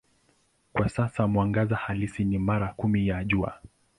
Kwa sasa mwangaza halisi ni mara kumi ya Jua.